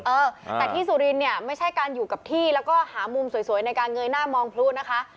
เออแต่ที่สุรินเนี่ยไม่ใช่การอยู่กับที่แล้วก็หามุมสวยในการเงยหน้ามองพลุนะคะ